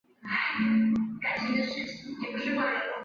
他的家庭是来自黎巴嫩的马龙派基督徒移民家庭。